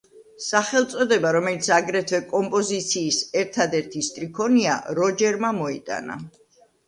სახელწოდება, რომელიც აგრეთვე კომპოზიციის ერთადერთი სტრიქონია, როჯერმა მოიტანა.